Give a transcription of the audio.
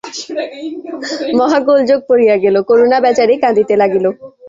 মহা গোলযোগ পড়িয়া গেল, করুণা বেচারি কাঁদিতে লাগিল।